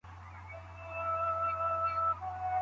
ولي هڅاند سړی د پوه سړي په پرتله خنډونه ماتوي؟